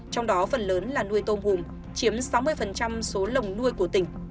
trong đó phần lớn là nuôi tôm hùm chiếm sáu mươi số lồng nuôi của tỉnh